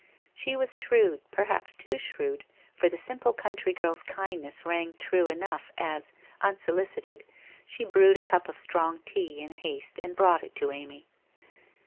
She was shrewd, perhaps too shrewd, for the simple country girl's kindness rang true enough as, unsolicited, she brewed a cup of strong tea in haste, and brought it to Amy.